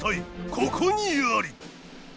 ここにあり！